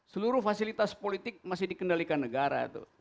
seluruh fasilitas politik masih dikendalikan negara